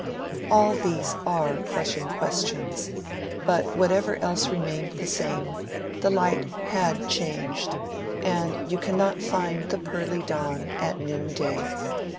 All these are crushing questions; but whatever else remained the same, the light had changed, and you cannot find the pearly dawn at noonday.